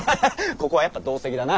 ここはやっぱ同席だな。